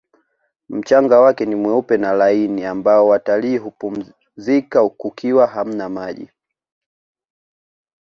mchanga wake ni mweupe na laini ambao watalii humpumzika kukiwa hamna maji